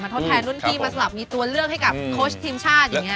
ทดแทนรุ่นพี่มาสลับมีตัวเลือกให้กับโค้ชทีมชาติอย่างนี้